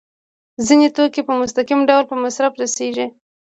ځینې توکي په مستقیم ډول په مصرف رسیږي.